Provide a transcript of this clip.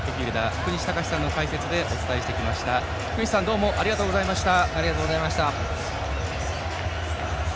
福西さんどうもありがとうございました。